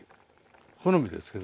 好みですけどね。